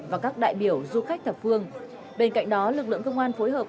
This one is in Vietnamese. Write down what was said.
và các đại biểu du khách thập phương bên cạnh đó lực lượng công an phối hợp